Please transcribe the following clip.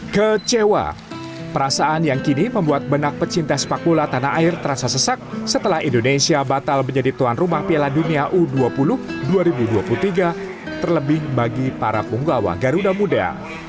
kecewa perasaan yang kini membuat benak pecinta sepak bola tanah air terasa sesak setelah indonesia batal menjadi tuan rumah piala dunia u dua puluh dua ribu dua puluh tiga terlebih bagi para penggawa garuda muda